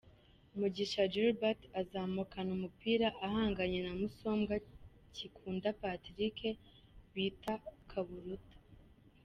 Mugisha Gilbert azamukana umupira ahanganye na Musombwa Kikunda Patrick bita Kaburuta.